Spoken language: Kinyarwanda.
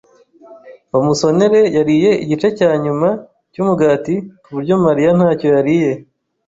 Bamusonereyariye igice cyanyuma cyumugati kuburyo Mariya ntacyo yariye.